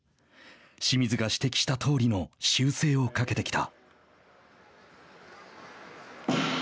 清水が指摘したとおりの修正をかけてきた。